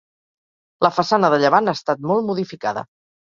La façana de llevant ha estat molt modificada.